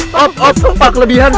wah wah wah parah banget